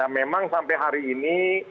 memang sampai hari ini